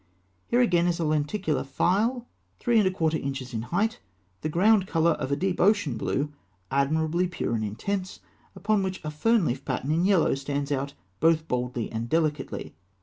Here again is a lenticular phial, three and a quarter inches in height (fig. 226), the ground colour of a deep ocean blue, admirably pure and intense, upon which a fern leaf pattern in yellow stands out both boldly and delicately.